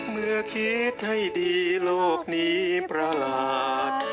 เมื่อคิดให้ดีโลกนี้ประหลาด